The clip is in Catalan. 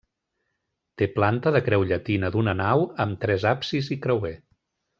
Té planta de creu llatina d'una nau, amb tres absis i creuer.